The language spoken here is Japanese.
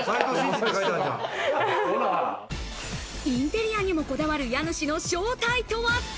インテリアにもこだわる家主の正体とは？